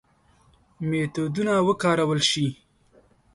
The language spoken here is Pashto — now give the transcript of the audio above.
میتودونه وکارول شي.